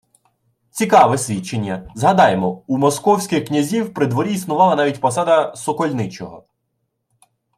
Цікаве свідчення! Згадаймо: у московських князів при дворі існувала навіть посада сокольничого